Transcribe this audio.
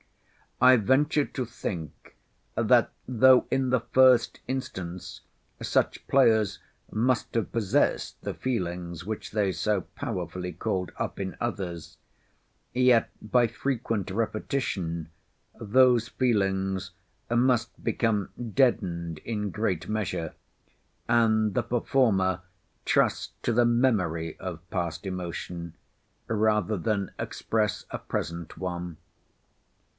I ventured to think, that though in the first instance such players must have possessed the feelings which they so powerfully called up in others, yet by frequent repetition those feelings must become deadened in great measure, and the performer trust to the memory of past emotion, rather than express a present one.